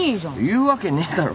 言うわけねえだろ。